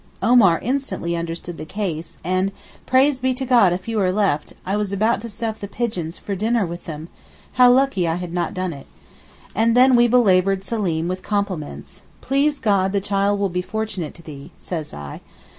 Omar instantly understood the case, and 'Praise be to God a few are left; I was about to stuff the pigeons for dinner with them; how lucky I had not done it.' And then we belaboured Seleem with compliments. 'Please God the child will be fortunate to thee,' say I.